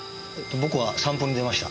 僕は散歩に出ました。